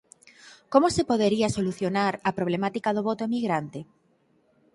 ¿Como se podería solucionar a problemática do voto emigrante?